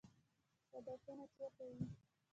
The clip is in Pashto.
صدفونه چیرته وي؟